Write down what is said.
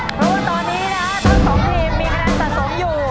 เพราะว่าตอนนี้นะทั้งสองทีมมีคะแนนสะสมอยู่